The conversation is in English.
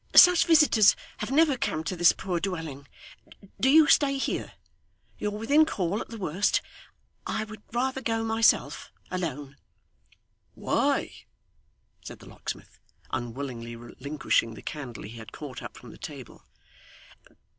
'Such visitors have never come to this poor dwelling. Do you stay here. You're within call, at the worst. I would rather go myself alone.' 'Why?' said the locksmith, unwillingly relinquishing the candle he had caught up from the table.